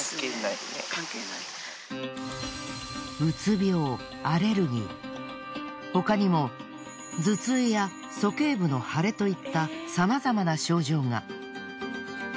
うつ病アレルギー他にも頭痛や鼠蹊部の腫れといったさまざまな症状が。